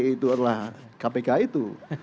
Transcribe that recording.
itu adalah kpk itu